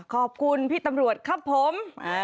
ขอบคุณพี่ตำรวจครับผม